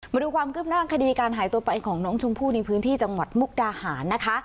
มาดูความคืบหน้าคดีการหายตัวไปของน้องชมพู่ในพื้นที่จังหวัดมุกดาหารนะคะ